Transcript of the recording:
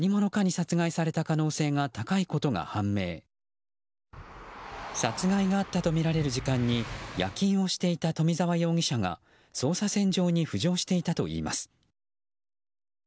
殺害があったとみられる時間に夜勤をしていた冨澤容疑者が捜査線上に浮上していたといいます。